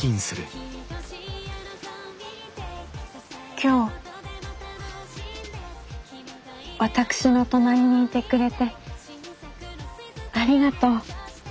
今日私の隣にいてくれてありがとう。